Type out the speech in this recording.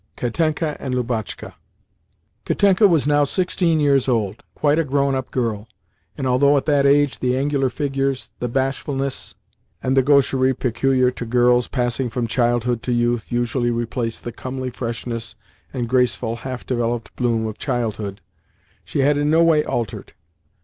KATENKA AND LUBOTSHKA Katenka was now sixteen years old—quite a grown up girl; and although at that age the angular figures, the bashfulness, and the gaucherie peculiar to girls passing from childhood to youth usually replace the comely freshness and graceful, half developed bloom of childhood, she had in no way altered.